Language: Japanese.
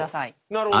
なるほど。